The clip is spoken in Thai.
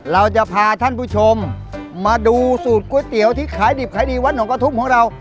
เราจะพาท่านผู้ชมมาดูสูตรก๋วยเตี๋ยวที่ขายดิบขายดีวัดหนองกระทุ่มของเรา